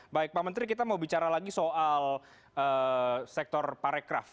baik pak menteri kita mau bicara lagi soal sektor parekraf